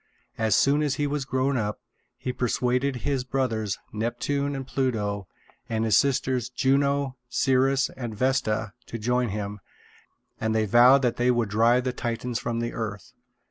As soon as he was grown up, he persuaded his brothers, Neptune and Pluto, and his sisters, Juno, Ceres, and Vesta, to join him; and they vowed that they would drive the Titans from the earth.